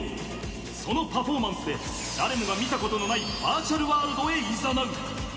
そのパフォーマンスで誰もが見たことのないバーチャルワールドへいざなう。